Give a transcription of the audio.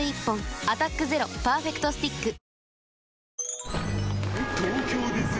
「アタックＺＥＲＯパーフェクトスティック」あ